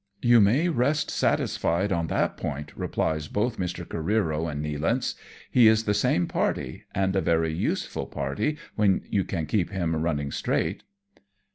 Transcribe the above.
" You may rest satisfied on that point," replies both Mr. Careero and Nealance ;" he is the same party, and a very useful party, when you can keep him running straight."